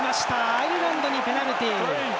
アイルランドにペナルティ。